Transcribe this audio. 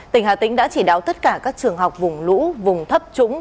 tỉnh hà tĩnh đã chỉ đáo tất cả các trường học vùng lũ vùng thấp trúng